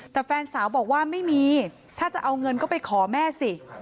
แต่แฟนสาวบอกว่าไม่มีถ้าจะเอาเงินก็ไปขอแม่สิ